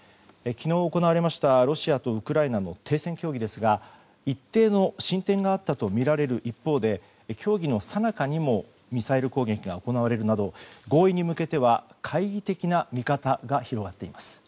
昨日行われました、ロシアとウクライナの停戦協議ですが一定の進展があったとみられる一方で協議のさなかにもミサイル攻撃が行われるなど合意に向けては懐疑的な見方が広がっています。